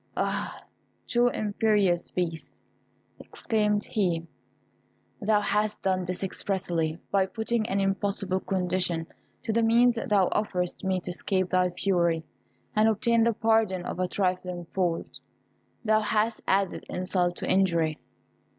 Ah! too imperious Beast," exclaimed he, "thou hast done this expressly! By putting an impossible condition to the means thou offerest me to escape thy fury, and obtain the pardon of a trifling fault, thou hast added insult to injury!